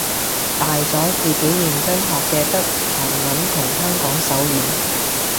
大咗自己認真學嘅得韓文同香港手語